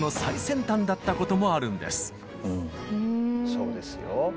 そうですよ。